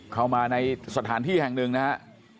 เข้ามาในสถานที่แห่งหนึ่งนะฮะ